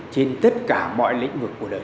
trên tất cả mọi lĩnh vực quản lý